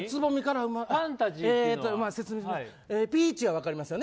説明するとピーチは分かりますよね。